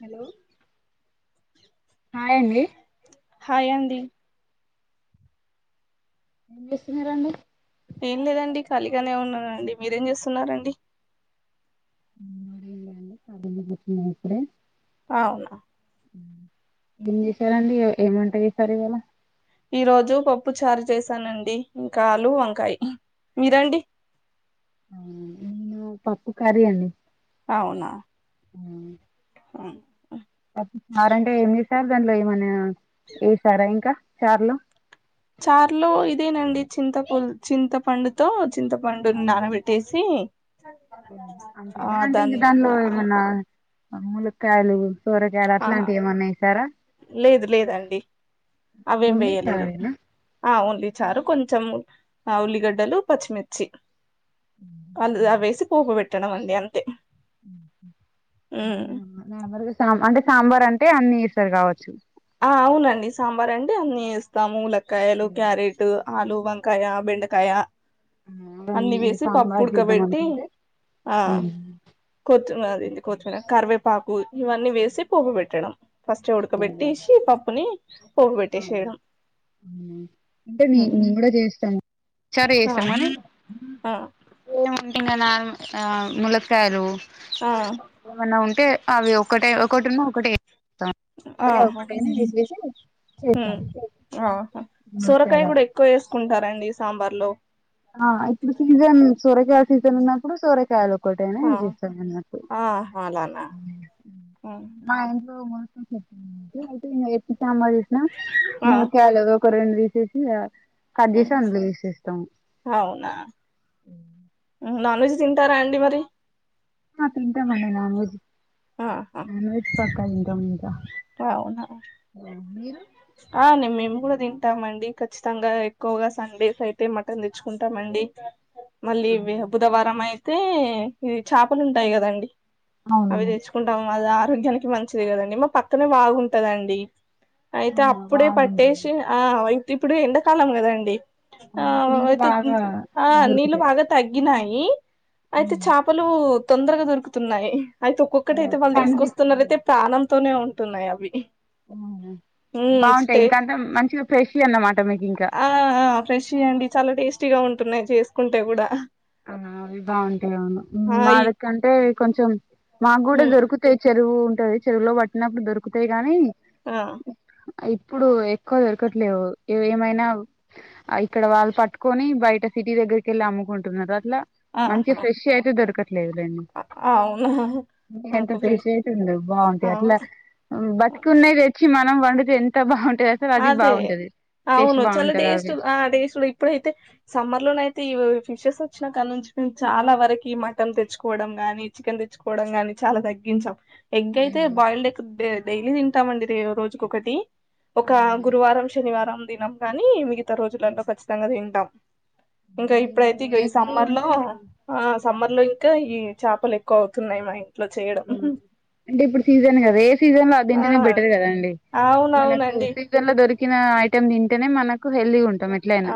Hello hi అండి హాయిడి ఎం వేసినరండి ఏం లేదండి ఖాళీగానే ఉన్నానండి మీరేం చేస్తున్నారండి ేం లేండి తబందుపోతున్నాయి ఇప్పుడే అవునా ఏం చేశారంండి ఏమంటాది ఈ సారి ఇ ఇలా ఈ రోజు పప్పు చారు చేసానండి ఇంకాలు వంకాయ మీరండి ఇన్న పప్పు కార అడి అవునా ఆ అ అరు అంటే ఏమి లే సార్ దాంట్లో ఏమనా ఎసారా ఇంకా చార్లో చార్లో ఇదేనండి చింతప చింతపండుతో చింతపండు నానబెట్టేసి అంతే ఆ అంటే ఇంకా దాన్ని దాంలో ఆ, ఏమన్నా ములకాయలు ఆహా లేదు లేదండి ఓన్లీ ఆవిేంబయ్యలి ఇదు చారేనా ఆ ఉంట ఇచారు కొంచెం ఉల్లిగడ్డలు పచ్చిమిర్చి అ దుఅ వేసి పోపు పెట్టడం అండి అంతే ఉమ్ ార్ అంటే సాంబార్ అంటే అన్ని ఇస్తారు కావచ్చు ఆ అవునండి సాంబార్ అంటెఅన్నిీ ఇస్తాములక్కయలు ఉ క్యారెట్ ఆలు వంకాయ బెండకాయ అన్నిీ అవన్నీ అంటే వేసి పప్పు సాంబార్ చేద్దాం ఉడకబెట్టి అనుకుంటే ఆ హ్మ్. కొతుినదంది కొతుమిన కరవేపు పాకు ఇవన్నీ వేసి పోపు పెట్టడం ఫస్ట్ ఉడకబెట్టిసి పప్పుని పోపు అ పెట్టేసేయడం అంటే న మేము ఉమ్. కూడా చేయిస్తాము సర ఆ చేస్తామురి ఆ ఏముంటాం కదా ముల్లక్కయలు ఆ అంటే అవి ఒకటే ఒకటి ఉన్న ఒకటేస్తా ఆ సొరకాయ ములక్కాయలు కూడా ఎక్కువ వేసుకుంటారంండి సాంబార్ లో ఆ ఇప్పుడు సీజన్ సూరకాయ సీజన్ ఉన్నప్పుడు సూరకాయలు ఒటేనే ఆ చేస్తాను నాకు ఆహా అలానా ఉమ్, మా ఇంట్లో నేన్ సాంబార్ చేసిన ఆ మునక్కాయలు ఒక రెండు వేసేసి కట్ చేేసి అందులో వేసేస్తాము అవున నాన్ వెజ్ తింటారా అండి మరి హా తింటా మండి నాన్ వెజ్ ఆహా నాన్ వెజ్ పక్క తింటామ్ అవునా మీరు ఆ మేము కూడ తింటామండి ఖచ్చితంగా ఎక్కువగా సండేస్ అయితే మటన్ తెచ్చుకుంటామ అండి మళ్ళీ బుధవారం అయితే ఇది చేపలు ఉంటాయి కదండి అవి అవునండి తెచ్చుకుంటాము గ ఆరోగ్యానికి మంచిది కదండి మా పక్కనే బాగుంటదండి అయితే అవునా అప్పుడే బాగుంటాయి పట్టేసి ఆయి ఇప్పుడు ఎండాకాలం కదండి ఆ ఇప్పుడు ఇంకా అయితే బాగా ఆ నీలు దొరుకుతాయి భగ తగ్గినాయి ఇఅయితే చేపలు తొందరగా దొరుకుతున్నాయ అయితే ఒక్కొక్కటి అయితే వాళ్ళు కనిపిస్తుంది తీసుకొస్తున్నయితే ప్రాణంతోనే ఉంటున్నాయి అవి బాగుంటాయి టే ఇంకంతా మంచిగా ఫ్రెష్ అన్నమాట మీకు ఇంకా ఆ ఫ్రెష్ ఇ్యండి చాలా టేస్టీగా ఉంటున్నాయి చేసుకుంటే కూడా అవి బాగుంటాయి అవును మా హాయి దక్కంటే కొంచం మాకు కూడా హ్మ్. దొరుకుతాయి చెరువు ఉంటంది చెరువులో పట్టినప్పుడు దొరుకుతాయి గానీ ఆ ఇప్పుడు ఎక్కువ దొరకట్లేవు ఏమైనా ఇక్కడ వాళ్ళు పట్టుకొని బయట సిటీ దగ్గరికి వెళ్ళి అమ్ముకుంటున్నారు అట్లా మంచి ఆహా ఫ్రెష్ అయితే దొరకట్లేదు దాన్ని అవునా ఎంత నాకు ఫేస్ ఫ్రెష్ అవుతుండ ఆ! బాగుంటాయి అట్లా బతికున్నది తెచ్చి మా నం వండుతే ఎంత బాగుంటుది అసలు అది అదే బాగుంటది టేస్ట్ అవును చాలా బాగుంటది టేస్ట్ అవి ఆ టేస్ట్ ఇప్పుడైతే సమ్మర్ లోన అయితే ఇ ఫిషెస్ వచ్చినా కాడ నుంచి మేము చాలా వరకు మటన్ తెచ్చుకోవడం గానీ చికెన్ తెచ్చుకోవడం కానీ చాలా తగ్గి ా ఎగ్ అయితే బాయిల్డ్ ఎగ్ డైలీ తింటామండి రోజుక ఒకటి ఒక అవునా గురువారం శనివారం దినం గాని మిగతా రోజులలో ఖచ్చితంగా తింటాం ఇంకా ఇప్పుడైతే ఇక మేము ఈ ఎగ్ సమ్మర్ లో అంటే మేము ఆ సమ్మర్ లో ఇంకా ఈ చేపలు ఎక్కువ అవుతున్నాయి మ య అంటే ఇప్పుడు సీజన్ కదా ఏ సీజన్ లో అది ఆ తింటేనే బెటర్ కద అండి మనకు అవునవునండి సీజన్ లో దొరికిన ఐటెమ్ తింటేనే మనకు హెల్దీగా ఉంటాం ఆ ఎట్లయినా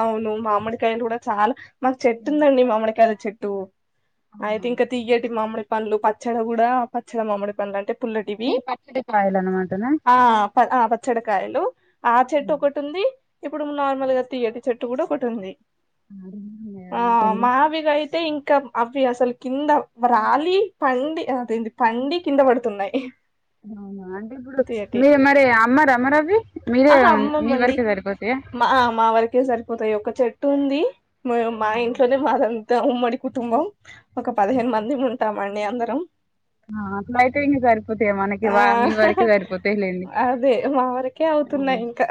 అవును మామిడికాయలు కూడా చాలా మాకు చెట్టు ఉందండి మామిడికాయల చెట్టు టుఅయితే అవునా ఇంకా తిగేటి మామిడి పండ్లు పచ్చడి కూడా పచ్చడి మామిడి పండ్లు అంటే పుల్లటివి మీ పచ్చడి కాయలా ఆ పచ్చడికాయలు ఆ చెట్టు ఒకటి ఉంది ఇప్పుడు నార్మల్ గా తీియేటి చెట్టు కూడా ఒకటి ఉంది ఆ ఇంకేంటి మహావిగాయితే ఇంకా ఇంకా అవి అసలు కింద వాలి పండి అదింది పండి కింద పడుతున్నాయి అవునా అంటే ఇప్పుడు తీయటి మీరు మరి అమ్మ ర అమ్మారవి మీరే ఆహా మీ అమ్మమ్మండి వరకే సరిపోతు మా మా వరకే సరిపోతాయి ఒక చెట్టు ఉంది మా ఇంట్లోనే బద ఉమ్మడి కుటుంబం ఒక పదిహేను మంది ఉంటామండి అందరం అట్లా అయితే ఇం సరిపోతాయ మనకి ఆ వా మీ వరక సరిపోతా లేండి అదే మా వరకే అవుతున్నాయి ఇంకా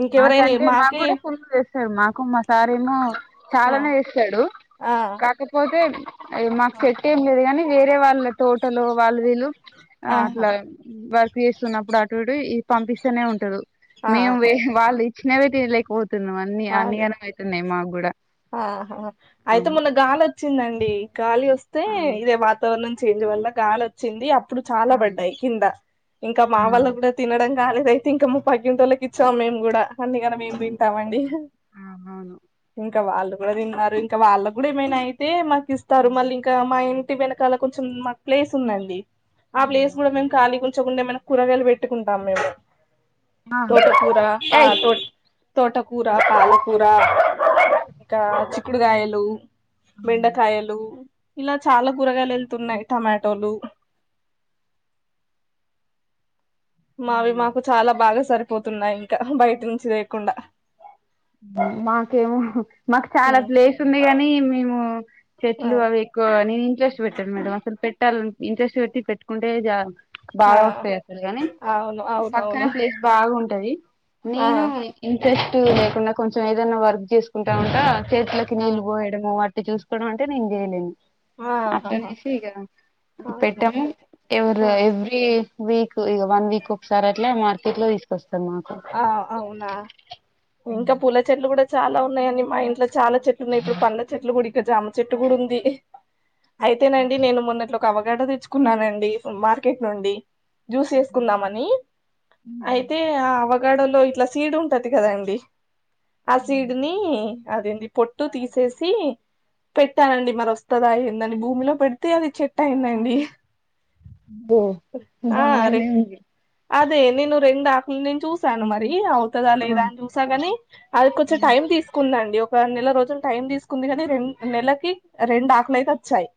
ఇంకెవరైనా మాకంటే మాకు మాకే కూడా ఫున్లు చేస్తారు మాకు మా సారము ఆ చాలానే వస్తాడు ఆ అయితే మాకు పెట్టే ఏం లేదు కానీ వేరే వాళ్ళ తోటలు వాళ్ళు వీళ్ళు ఆహా అట్లా వర్క్ చేస్తున్నప్పుడు అటుడు ఇ పంపిస్తేనే ఉంటదు మేము ఆహా వాళ్ళు ఇచ్చినవి తినలేకపోతున్నాం అన్ని అదే అన్నిగాన అయితున్నాయి మాకు కూడా ఆహా ఆ అయితే మొన్న గాలి వచ్చిందండి గాలి వస్తే ఇదే వాతావ చే వల్ల గాలి వచ్చింది అప్పుడు చాలా ఆ పడ్డాయి కింద ఇంకా మా ఆ వల్ళ కూడా తినడం కాలేద అయితే ఇంకా ము పగ్గింటంటిోళ్ళకి ఇచ్చాం మేము కూడా అన్నిగానే మేము తింటాంమండి అ అవును ఇంకా వాళ్ళు కూడా తిన్నారు ఇంకా వాళ్ళ కూడా ఏమైనా అయితే మాకు ఇస్తారు మళ్ళీ ఇంకా మా ఇ వెనకాల కొంచం మనక్ ప్లెస్ ఉందడి ఆ ప్లేస్ వచ్చకుండా ఏమైనా కూరగాయలు పెట్టుకుంటాం మేము తోటకూరా ఆ ఏయ్ తో తోటకూరా పాలకూరా ఇంకా చిక్కుడుకాయలు అవును బెండకాయలు ఇలా చాలా కూరగాయలు వెళ్తున్నాయి టమాటోలు ఆ మావి మాకు చాలా బాగా సరిపోతున్నాయి ఇంకా బయట నుంచి తేకుండా మాకేమో మాకు చాలా ప్లేస్ ఉంది కాగాని మేము ఆ చెట్లు అవి ఎక్కువ నేను ఇంట్రెస్ట్ పెట్టాను మేడం అసలు పెట్టాలని ఇంట్రెస్ట్ పెట్టి పెట్టుకుంటే ఆ బాగా వస్తయి అసలు కానీ అవును పక్కన అవునవును ప్లేస్ బాగుంటది ఆ నేను ఇంట్రెస్ట్ నాకు కొంచెం ఏదైన్నా వర్క్ చేసుకుంటా ఉంటా చేట్లకి ఆ నీళ్లు పోయడము వాట్టి చూసుకోవడం అంటే నేను చేయలేను ఆహాహా అట్లానేసి ఇక అవును పెట్టాము ఎవరు ఆ ఎవ్రీ వీక్ ఇగ వన్ వీక్ ఒకసారి అట్లా మార్కెట్ లో తీసుకొస్తా ఆ అవునా ఇంకా పూల చెట్లు కూడా చాలా ఉన్నాయి అండి మా ఇంట్లో చాలా చెట్లు ఉన్నాయి ఇప్పుడు పండ్ల చెట్లు కూడా ఇక జామ చెట్టు కూడా ఉంది ఆ అయితేనండి నేను మొన్నట్ ఒక అవగాడో తెచ్చుకున్నానండి ఫుడ్ మార్కెట్ నుండి జ్యూస్ చేసుకుందామని అయితే ఆ గడలో ఇట్లా సీడ్ ఉంటది కదా అండి ఆ సీడ్ ని అదేంది పొట్టు తీసేసి పెట్టానండి మరి వస్తుదా ఎందని భూమిలో పెడితే అది చెట్టు అయిందండి ఓ ఆ అరే బానే ఉంది అదే నేను రెండు ఆకులని చూశాను మరి అవుతదా లేదా ఉమ్ అని చూసాగాని అది కొంచెం టైం తీసుకున నెల రోజులు టైమ్ తీసుకుంది కానీ రెం నెలకి రెండు ఆకుల అయితే అచ్చాయి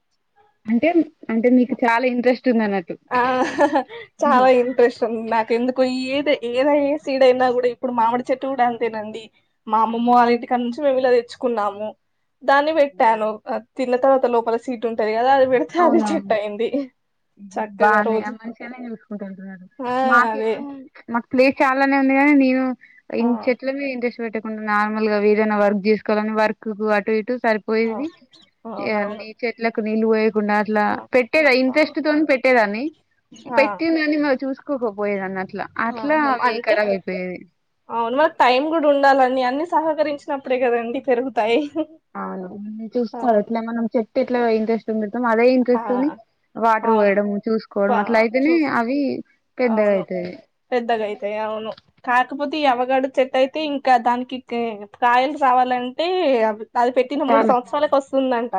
ఆ ఉందన్నట్టు ఆ చాలా ఇంట్రెస్ట్ ఉంది నాకు నాకు ఏ ఏది ఏదనా సీడయినా కూడా ఇప్పుడు మామిడి చెట్టు కూడా అంతేనండి మా అమ్మమ్మ వాళ్ళ ఇంటిక నుంచి మేము ఇలా తెచ్చుకున్నాము దాన్ని పెట్టాను తిన్న తర్వాత లోపల సీడ్ ఉంటది కదా అది పెడితే అది అవునవును చెట్టు అయింది చక్కగా బానే ఆ రోజు మంచిగానే చూసుకుంటూ వెళ్తున్నారు ఆ అదే మాకేమో ప్లేస్ చాలానే ఉంది కాగానీ నేను ఆ ఇం చెట్ల మీద ఇంట్రెస్ట్ పెట్ట కుండా నార్మల్ గా ఏదైనా వర్క్ చేసుకోవాలని వర్క్ అటు ఇటు ఆ సరిపోయేది ఇవ అవునవును చెట్లకు నీళ్ళు పో యకుండా అట్లా ఆ పెట్టేదా ఆ ఇంట్రెస్ట్ తో పెట్టేదాన్ని పెట్టిందని మార్ కో పోయేదన్న ఆహ అంటే అవును మన టైం కూడా ఉండాలని అన్ని సహకరించినప్పుడే కదండి పెరుగుతాయి అవును చూసుకోల ఇట్ అవును మనం చెట్టు ఎట్లా ఇంట్రెస్ట్ పెడుతాం అదే ఆ ఇంట్రెస్ని వాటర్ అవును పోయడం చూసుకోవడం అట్లా పా- అయితేనే చూస్ అవి పెద్దగా అవును అయితాయి పెద్దగైతయి అవును కాక కపోతే అవగాడో చెట్టు అయితే ఇంకా దానికి కాయలు రావాలంటే అది పెట్టిన మూడు చాలా సంవత్సరాలకు వస్తుందంట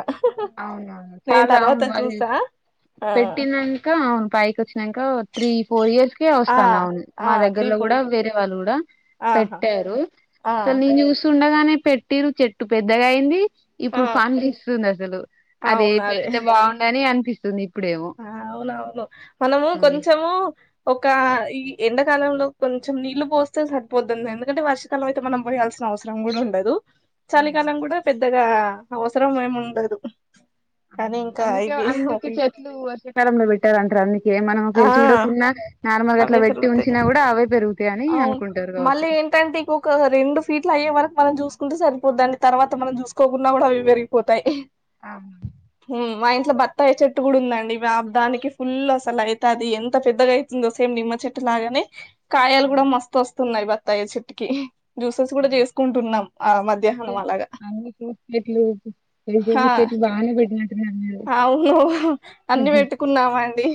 అవునవును నేను చాలా అవును తర్వాత మరి చూసా ఆ పెట్టినంక అవున్ పైకి వచ్చినాంక త్రీ ఫోర్ ఇయర్స్ కే ఆ వస్తానంది అవును ఆ మా త్రీ దగ్గర్లో ఫోర్ కూడా వేరే వాళ్ళు కూడా ఆహా పెట్టారు. ఆ అసలు నేను చూస్తుండగానే పెట్టింరు చెట్టు పెద్దగా అయింది ఆ ఇప్పుడు పండ్లు ఇస్తుంది అది. అరే పెడితే బాగుండని అనిపిస్తుంది ఇటు. ఆహ్ అవునవును మనము ఉమ్ కొంచము. ఒక ఈ ఎండకాలంలో కొంచెం నీళ్లు పోస్తే సరిపోతుంది ఎందుకంటే వర్షకాలం అయితే మనం పోయాల్సిన. అవసరం కూడా ఉండదు చలికాలం కూడా పెద్దగా అవసరం ఏమి ఉండదు. సరే ఇంకా అయిపోయింది మరి. వర్షకాలంలో పెట్టారంటారు అన్ని. ఏం మనం ఆ పెంచి చూడకున్నా నార్మల్గా అట్లా అవే పెట్టి పెరుగుతాయి ఉంచినా కూడా అవే పెరుగుతాయి అని అనుకుంటారు కావచ్చు. ఎంటంటే ఇంకొక రెండు ఫీట్లు అయ్యే వరకు. మనం చూసుకుంటే సరిపోద్దండి తర్వాత మనం చూసుకోకుండా కూడా అవి పెరిగిపోతాయి. అవును ఉమ్ మా ఇంట్లో బత్తాయ చెట్టు కూడా ఉందండి దానికి ఫుల్ అసలు అయి అది ఎంత పెద్దగా అవుతుందో సేమ్ నిమ్మ చెట్టు లాగానే కాయాలు కూడా మస్తు వస్తున్నాయి బత్. బత్తాయి చెట్టుకీ. జ్యూసెస్ కూడా చేసుకుంటున్నాం ఆహ్ అందుకే మధ్యాహ్నం అలాగా. అన్ని బానే పెట్టినారు. అవును అన్ని పెట్టుకున్నామండి.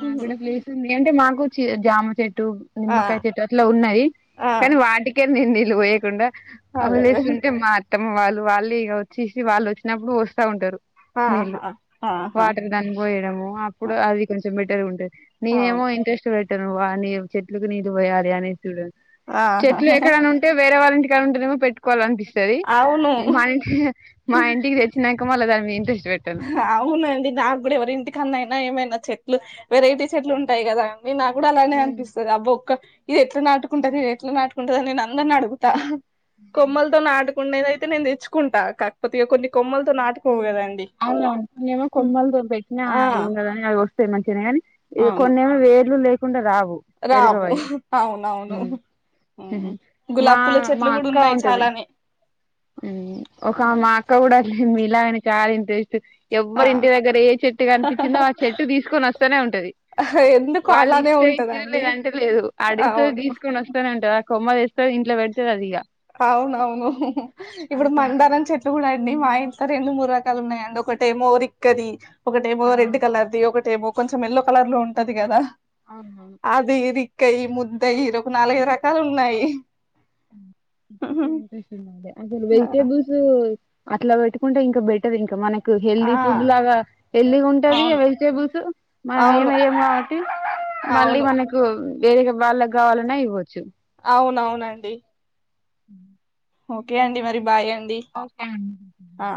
మాకు ఉమ్, ప్లేస్ ఉంది అంటే మాకు జామ చెట్టు. చెట్టు ఆ నిమ్మకాయ చెట్టు అట్లా ఉన్నవి ఆ కానీ వాటికే నే నీళ్ళు పోయకుండా. ఆహ్ అదే అదే వదిలేస్తు ఉంటే మా అత్తమ్మ వాళ్ళు వాళ్ళు ఇంకా వచ్చేసి వాళ్ళు వచ్చినప్పుడు పోస్తా ఉంటారు. ఆహా నీళ్ళు ఆహా వాటర్ దానికిపోయడము ఆ, అప్పుడు అవి. బెటర్ ఉంటది అవును నేనేమో ఇంట్రెస్ట్ పెట్టాను వానీ చెట్లుకి నీళ్ళ పోయాలి అనే చూడను. ఆహా చెట్లు ఎక్కడైనా ఉంటే వేరే వాళ్ళ ఇంటికాడ ఉంటేమో పెట్టు కోవాలనిపిస్తుది అవును మా ఇంటి మా ఇంటికి తెచ్చినాక మళ్ళ దాని మీద ఇంట్రెస్ట్. పెట్టను అవునండి నాకు కూడా ఎవరి ఇంటికన్నా అయినా ఏమైనా చెట్లు వెరైటీ చెట్లు ఉంటాయి కదా. మీ నాకు కూడా అలానే ఉమ్ అనిపిస్తది అబ్బో ఒక్క. ఇది ఎట్లా నాటుకుంటది ఇది ఎట్లా నాటుకుంటది అని నేను అందరిని అడుగుతా కొమ్మలతో నాటు. నేనైతే నేను తెచ్చుకుంటా కాకపోతే ఇక కొన్ని కొమ్మలతో నాటుకోవు కదండి. అవునా నేనేమో కొమ్మల్ తోని పెట్టినా ఆ అది వస్తే మంచినేగాని. కొన్నెమో వేర్లు లేకుండా రావు. ఆవ్ పెరగవయి అవునవును. ఉమ్. మా గులాబి పూల మా చెట్లు కూడా అక్క ఉన్నాయి ఉంటది చాలానే. ఉమ్ ఒక మా అక్క కూడా లేదు మీలాగనే చాలా ఇంట్రెస్ట్. ఆ ఎవ్వరి ఇంటి దగ్గర ఏ చెట్టు కనిపించిందో ఆ చెట్టు తీసుకొని వస్తానే ఉంటది. ఎందుకు వాళ్ళు అలానే ఇస్తే ఇచ్చేండ్రు ఉంటదండి లేదంటే లేదు అడుగుతది అవును తీసుకొని వస్తానే ఉంటది అక్. కొమ్మదేస్తాది ఇంట్లో పెడుతది అది ఇంకా. అవునవును ఇప్పుడు అంత మందారం చెట్లు కూడా అండి మా ఇంట్లో రెండు మూడు రకాలు ఉన్నాయండి ఒకటేమో రిక్కది ఒకటేమో ఆ రెడ్ కలర్ది ఒకటేమో కొంచెం ఎల్లో కలర్ లో ఉంటది కదా అవునవును అది ఇది. కై ముద్దై హరోకు నాలుగు రకాలు ఉన్నాయి. [unintelligible] అసలు వెజిటేబుల్స్ అట్లా పెట్టుకుంటే ఇంకా బెట్. ఉంటది ఇంకా మనకు హెల్దీ ఆ ఫుడ్ లాగా హెల్దీగా ఉంటది అవును వెజిటేబుల్స్ మన అవును ఏమై. ఆహ్ మళ్ళీ అవును మనకు వేరేగా వాళ్ళకి కావాలన్నా ఇవ్వచ్చు. అవునవునండి. ఉమ్. ఓకే అండి మరి బాయ్ అండి. ఓకె అండి ఆ